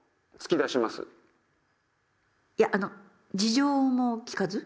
いやあの事情も聞かず？